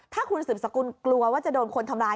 ถ้าคุณสืบสกุลกลัวว่าจะโดนคนทำร้าย